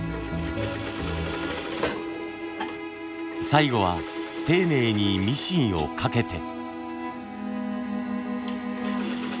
最後は丁寧にミシンをかけて。